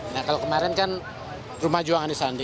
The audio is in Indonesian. nah kalau kemarin kan rumah juang anies sandi